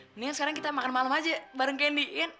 mendingan sekarang kita makan malam aja bareng candy kan